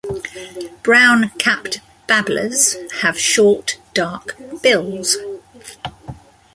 Brown-capped babblers have short dark bills.